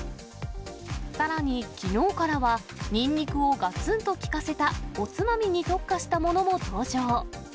さらに、きのうからは、ニンニクをがつんと効かせたおつまみに特化したものも登場。